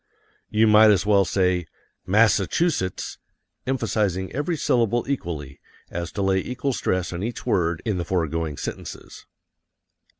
You might as well say MASS A CHU SETTS, emphasizing every syllable equally, as to lay equal stress on each word in the foregoing sentences.